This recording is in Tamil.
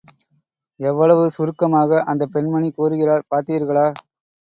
எவ்வளவு சுருக்கமாக அந்தப் பெண்மணி கூறுகிறார் பார்த்தீர்களா?